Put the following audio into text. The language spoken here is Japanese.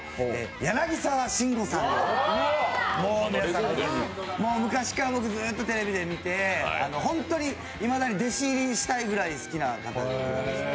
柳沢慎吾さんでもう、昔からずっとテレビで見て本当にいまだに弟子入りしたいぐらい好きな方なんです。